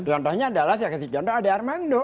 contohnya adalah saya kasih contoh ada armando